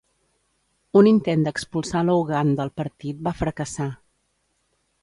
Un intent d'expulsar Loughnane del partit va fracassar.